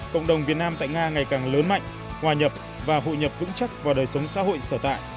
cộng đồng việt nam tại nga ngày càng lớn mạnh hòa nhập và hội nhập vững chắc vào đời sống xã hội sở tại